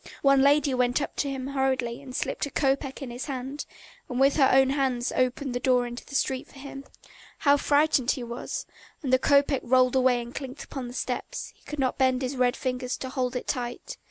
One lady went up to him hurriedly and slipped a kopeck into his hand, and with her own hands opened the door into the street for him! How frightened he was. And the kopeck rolled away and clinked upon the steps; he could not bend his red fingers to hold it tight.